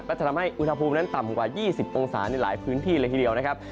จะทำให้อุณหภูมินั้นต่ำกว่า๒๐องศาในหลายพื้นที่เลยทีเดียวนะครับ